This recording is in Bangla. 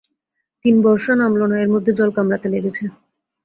তিন বর্ষা নাবল না, এর মধ্যে জল কামড়াতে লেগেছে।